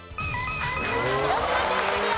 広島県クリア。